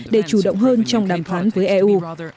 để chủ động hơn trong đàm phán với eu